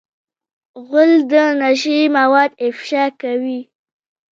غول د نشې مواد افشا کوي.